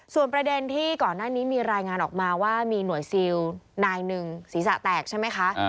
ส่วนประเด็นที่ก่อนหน้านี้มีรายงานออกมาว่ามีหน่วยซิลนายหนึ่งศีรษะแตกใช่ไหมคะ